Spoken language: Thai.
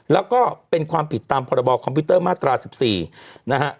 แล้วก็เป็นความผิดตามพรบคอมพิวเตอร์มาตรา๑๔นะฮะ